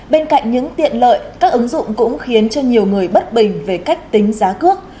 bên cạnh những tiện lợi các ứng dụng cũng khiến cho nhiều người bất bình về cách tính giá cước